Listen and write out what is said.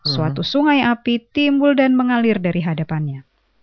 suatu sungai api timbul dan mengalir dari hadapannya